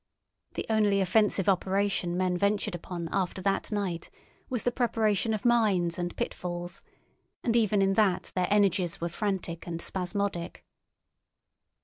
The only offensive operation men ventured upon after that night was the preparation of mines and pitfalls, and even in that their energies were frantic and spasmodic.